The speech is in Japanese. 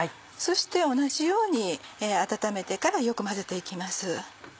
そして同じように温めてからよく混ぜて行きます。